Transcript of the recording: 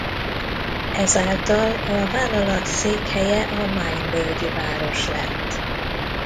Ezáltal a vállalat székhelye a Main-völgyi város lett.